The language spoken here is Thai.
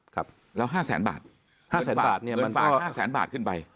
ครับแล้ว๕แสนบาทเงินฝาก๕แสนบาทขึ้นไป